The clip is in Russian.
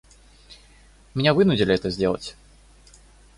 Меня вынудили сделать это.